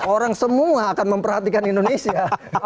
orang semua akan memperhatikan indonesia